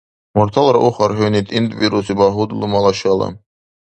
Мурталра ухар хӀуни тӀинтӀбируси багьудлумала шала.